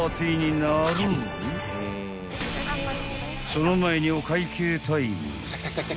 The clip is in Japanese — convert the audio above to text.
［その前にお会計タイム］